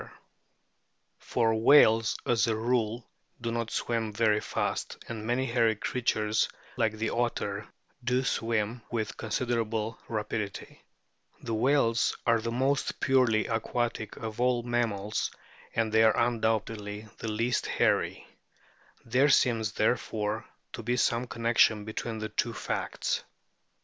Soc.) 1886, p. 255. THE EXTERNAL FORM OF WHALES 29 whales, as a rule, do not swim very fast, and many hairy creatures like the otter do swim with consider able rapidity. The whales are the most purely aquatic of all mammals, and they are undoubtedly the least hairy ; there seems, therefore, to be some connection between the two facts.